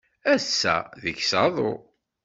Ass-a deg-s aḍu.